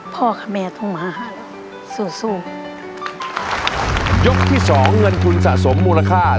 พ่อค่ะแม่ต้องมาหาเรา